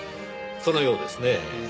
そのようですねぇ。